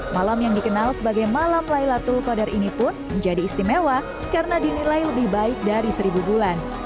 malam yang dikenal sebagai malam laylatul qadar ini pun menjadi istimewa karena dinilai lebih baik dari seribu bulan